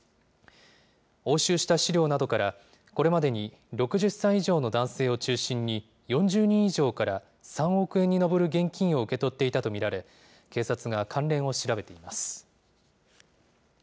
押収した資料などから、これまでに６０歳以上の男性を中心に、４０人以上から、３億円に上る現金を受け取っていたと見られ、警察が関連を調べています。